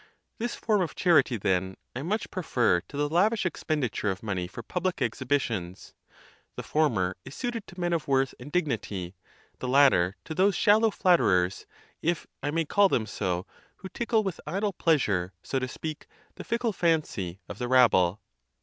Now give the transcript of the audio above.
This form of charity, then, I much prefer to the lavish expenditure of money for public exhibitions. The former is suited to men of worth and dignity, the latter to those shallow flatterers, if I may call them so, who tickle with idle pleasure, so to speak, the fickle fancy of the rabble.